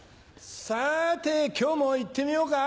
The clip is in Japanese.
さて今日もいってみようか。